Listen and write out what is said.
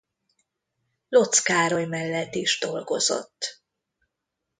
Lotz Károly mellett is dolgozott.